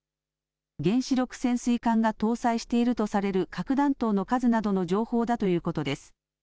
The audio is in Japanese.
原子力潜水艦が搭載しているとされる核弾頭の数などの情報だということです。